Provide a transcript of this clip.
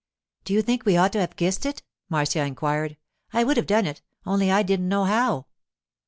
'Do you think we ought to have kissed it?' Marcia inquired. 'I would have done it, only I didn't know how.